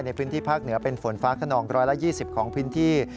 ในพื้นที่ภาคเหนือเป็นฝนฟ้าขนอง๑๒๐ของพื้นที่